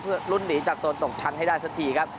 เพื่อลุ้นหนีจากโซนตกชั้นให้ได้สักทีครับ